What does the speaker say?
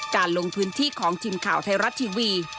การลงพื้นที่ของจินข่าวไทยรัตน์ทีวี